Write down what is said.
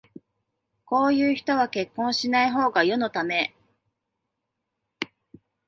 こういう人は結婚しないほうが世のため